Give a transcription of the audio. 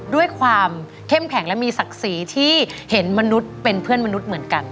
ด้วยความเข้มแข็งและมีศักดิ์ศรีที่เห็นมนุษย์เป็นเพื่อนมนุษย์เหมือนกัน